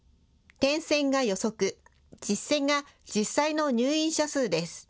点線が予測、実線が実際の入院者数です。